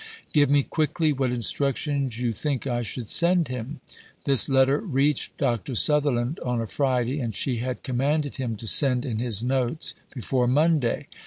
Give me quickly what instructions you think I should send him." This letter reached Dr. Sutherland on a Friday, and she had commanded him to send in his notes "before Monday."